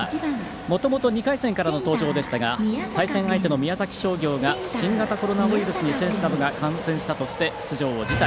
もともと２回戦からの登場でしたが対戦相手の宮崎商業が新型コロナウイルスに感染したとして出場を辞退。